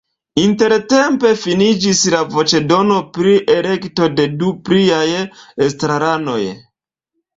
Intertempe finiĝis la voĉdono pri elekto de du pliaj estraranoj.